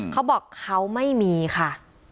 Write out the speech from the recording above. เขาบอกเขาไม่มีค่ะ